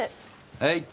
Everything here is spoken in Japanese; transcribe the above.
はい。